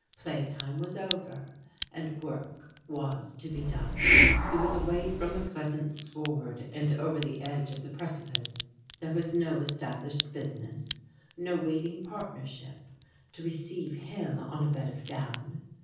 Playtime was over, and work was to be done. He was away from the pleasant sward, and over the edge of the precipice. There was no estab lished business, no waiting partnership, to receive him on a bed of down.